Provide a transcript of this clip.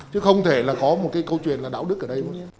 chứ không thể là có một cái câu chuyện là đạo đức ở đây